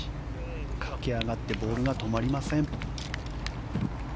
駆け上がってボールが止まりません。